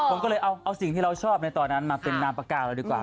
ผมก็เลยเอาสิ่งที่เราชอบในตอนนั้นมาเป็นนามปากกาเราดีกว่า